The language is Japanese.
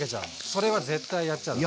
それは絶対やっちゃだめ。